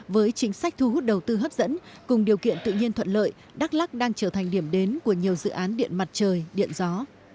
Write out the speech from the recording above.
với chính sách thu hút đầu tư hấp dẫn cùng điều kiện tự nhiên thuận lợi đắk lắc đang trở thành điểm đến của nhiều dự án điện mặt trời điện gió